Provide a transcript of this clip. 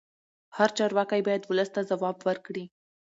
هر چارواکی باید ولس ته ځواب ورکړي